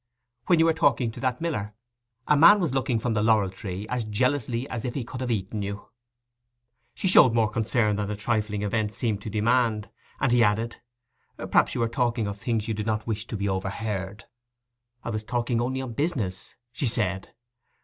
'When you were talking to that miller. A man was looking from the laurel tree as jealously as if he could have eaten you.' She showed more concern than the trifling event seemed to demand, and he added, 'Perhaps you were talking of things you did not wish to be overheard?' 'I was talking only on business,' she said.